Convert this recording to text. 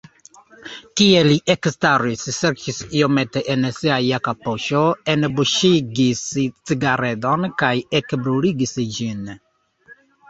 Tie li ekstaris, serĉis iomete en sia jaka poŝo, enbuŝigis cigaredon kaj ekbruligis ĝin.